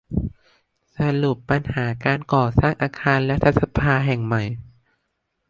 สรุปปัญหาการก่อสร้างอาคารรัฐสภาแห่งใหม่